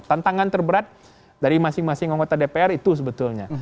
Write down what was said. tantangan terberat dari masing masing anggota dpr itu sebetulnya